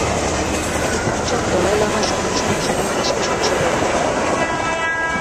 তিনি পঞ্চম দলাই লামার স্মরণসভা সহ বেশ কিছু উৎসবে অর্থদান করেন।